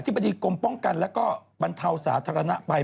บดีกรมป้องกันและก็บรรเทาสาธารณะไป